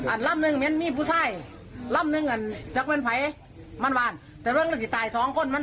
อันลำนึงมีผู้ชายลำนึงมีผลิตมาสองคนมาสองคน